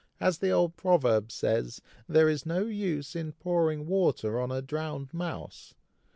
As the old proverb says, 'there is no use in pouring water on a drowned mouse.'